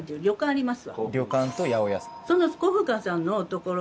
あります。